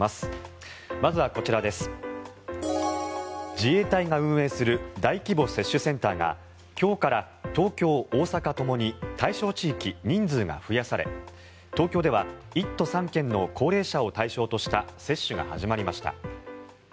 自衛隊が運営する大規模接種センターが今日から東京、大阪ともに対象地域人数が増やされ東京では１都３県の高齢者を対象とした接種が始まりました。